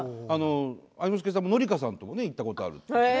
愛之助さんは紀香さんと行ったことがあると。